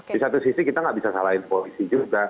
di satu sisi kita nggak bisa salahin polisi juga